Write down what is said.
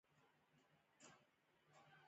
فعالان دي مټې رابډ وهي.